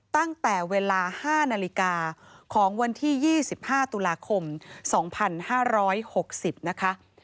ตั้งแต่เวลา๕นาฬิกาของวันที่๒๕ตุลาคม๒๕๖๐นะคะ